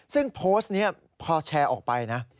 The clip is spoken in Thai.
ซึ่งโพสต์นี้พอแชร์ออกไปนะ